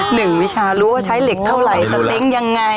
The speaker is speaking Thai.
หนึ่งวิชารู้ว่าใช้เหล็กเท่าไหร่ยังไง